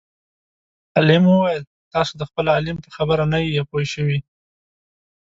عالم وویل تاسو د خپل عالم په خبره نه یئ پوه شوي.